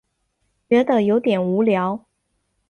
觉得有点无聊